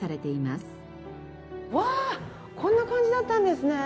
わあこんな感じだったんですね。